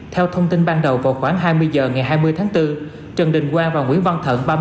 theo thông tin ban đầu vào khoảng hai mươi h ngày hai mươi tháng bốn trần đình quang và nguyễn văn thận